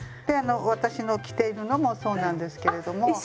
であの私の着ているのもそうなんですけれども。